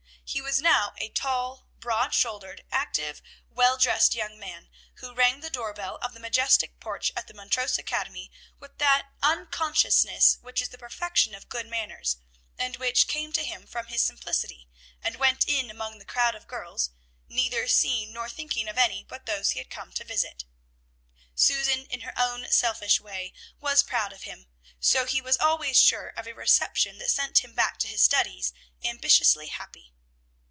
He was now a tall, broad shouldered, active, well dressed young man, who rang the doorbell of the majestic porch at the Montrose Academy with that unconsciousness which is the perfection of good manners, and which came to him from his simplicity, and went in among the crowd of girls, neither seeing nor thinking of any but those he had come to visit. Susan, in her own selfish way, was proud of him, so he was always sure of a reception that sent him back to his studies ambitiously happy.